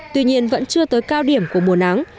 tuy nhiên vẫn chưa tới cao điểm của mùa nắng